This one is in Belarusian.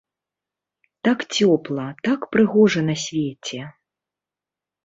Так цёпла, так прыгожа на свеце!